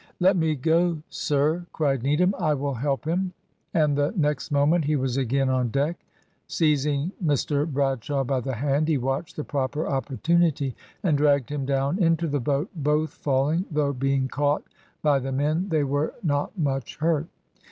"Let me go, sir," cried Needham, "I will help him;" and the next moment he was again on deck. Seizing Mr Bradshaw by the hand, he watched the proper opportunity and dragged him down into the boat, both falling, though being caught by the men they were not much hurt.